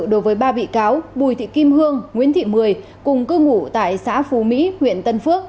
đối với ba bị cáo bùi thị kim hương nguyễn thị mười cùng cư ngụ tại xã phú mỹ huyện tân phước